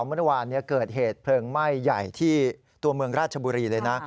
เมื่อวานเกิดเหตุเพลิงไหม้ใหญ่ที่ตัวเมืองราชบุรีเลยนะ